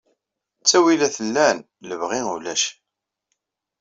Ttawilat llan, lebɣi ulac.